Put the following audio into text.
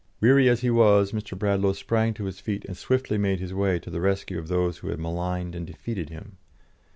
Weary as he was, Mr. Bradlaugh sprang to his feet, and swiftly made his way to the rescue of those who had maligned and defeated him.